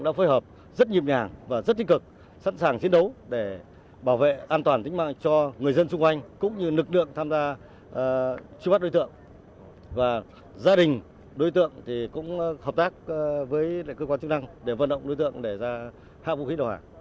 đã phối hợp nhịp nhàng vận động thuyết phục đối tượng trung đã chịu hạ vũ khí